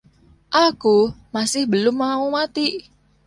Aku masih belum mau mati.